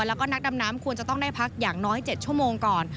แล้วก็นักดำน้ำควรจะต้องได้พักอย่างน้อย๗ชั่วโมงก่อน